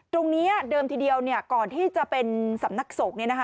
ตรงนี้เดิมทีเดียวก่อนที่จะเป็นสำนักสงฆ์